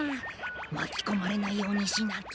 まきこまれないようにしなきゃ。